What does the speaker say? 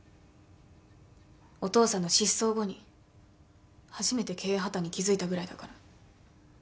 お父さんの失踪後に初めて経営破綻に気付いたぐらいだから。